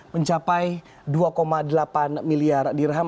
mencapai dua delapan miliar dirham